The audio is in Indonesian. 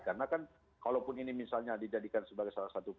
karena kan kalaupun ini misalnya dijadikan sebagai satu perusahaan